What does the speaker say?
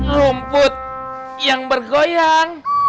lumput yang bergoyang